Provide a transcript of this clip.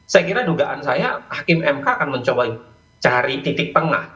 saya kira dugaan saya hakim mk akan mencoba cari titik tengah